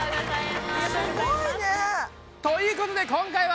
すごいね。ということで今回は。